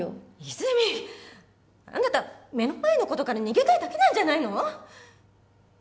泉あなた目の前のことから逃げたいだけなんじゃないの？